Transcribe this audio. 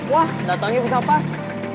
wah datangnya bisa pas